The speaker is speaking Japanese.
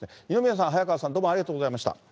二宮さん、早川さん、どうもありがとうございました。